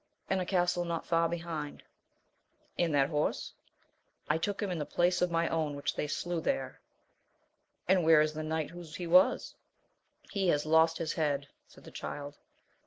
— In a castle not far be hind. — And that horse %— I took him in the place of my own which they slew there. — ^And where is the knight whose he was ? He has lost his head, said the Child.